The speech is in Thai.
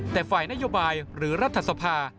แต่ฝ่ายนโยบายหรือรัฐสภา